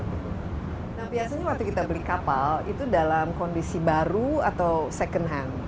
nah biasanya waktu kita beli kapal itu dalam kondisi baru atau second hand